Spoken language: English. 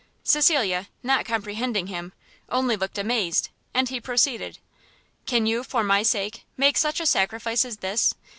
Cecilia, not comprehending him, only looked amazed, and he proceeded. "Can you, for my sake, make such a sacrifice as this?